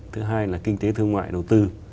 thứ hai là kinh tế thương ngoại đầu tư